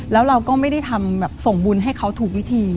แล้วเราก็ไม่ได้ทำแบบส่งบุญให้เขาถูกวิธี